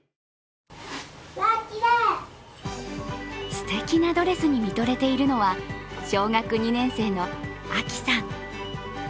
すてきなドレスに見とれているのは、小学２年生のあきさん。